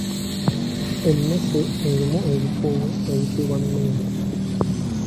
Emmese erimu ebikuubo eyitibwa mmende.